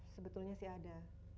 sebetulnya sih ada